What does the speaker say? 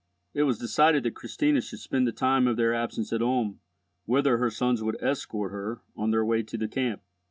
It was decided that Christina should spend the time of their absence at Ulm, whither her sons would escort her on their way to the camp.